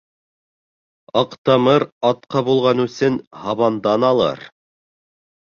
Аҡтамыр атҡа булған үсен һабандан алыр.